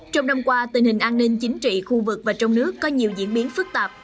trong năm qua tình hình an ninh chính trị khu vực và trong nước có nhiều diễn biến phức tạp